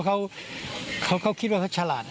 ใช่เพราะเขาคิดว่าเขาชาลาด